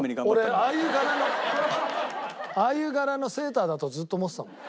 俺ああいう柄のああいう柄のセーターだとずっと思ってたもん。